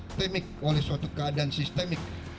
sistemik oleh suatu keadaan sistemik